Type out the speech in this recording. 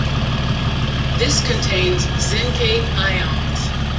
This contains zincate ions.